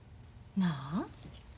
なあ。